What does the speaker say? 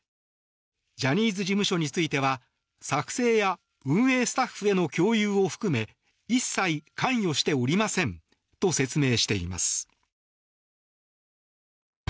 ジャニーズ事務所については作成や運営スタッフへの共有を含め一切関与しておりませんと説明しています。